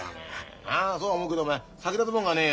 そうは思うけどおめえ先立つもんがねえよ。